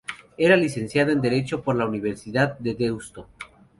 Era Licenciado en derecho por la Universidad de Deusto.